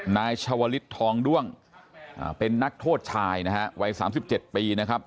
นายชาวลิศทองด้วงเป็นนักโทษชายนะฮะวัย๓๗ปีนะครับ